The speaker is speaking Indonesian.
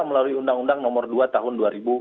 melalui undang undang nomor dua tahun dua ribu dua